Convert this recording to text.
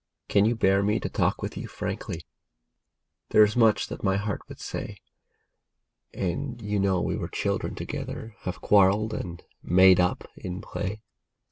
Can you bear me to talk with you frankly ? There is much that my heart would say, And you know we were children together, have quarreled and " made up " in play.